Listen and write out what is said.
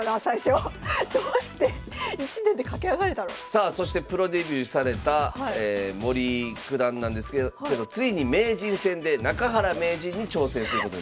さあそしてプロデビューされた森九段なんですけどついに名人戦で中原名人に挑戦することになります。